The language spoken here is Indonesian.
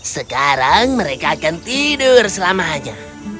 sekarang mereka akan tidur selama saja